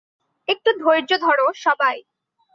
একটু ধৈর্য ধরো, সবাই।